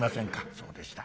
「そうでした。